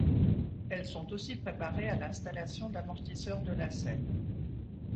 Elles sont aussi préparées à l'installation d'amortisseur de lacet.